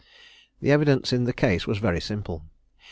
The evidence in the case was very simple.